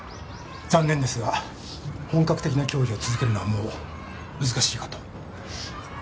残念ですが本格的な競技を続けるのはもう難しいかと